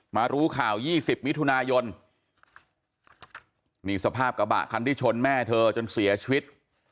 รู้ข่าว๒๐มิถุนายนนี่สภาพกระบะคันที่ชนแม่เธอจนเสียชีวิต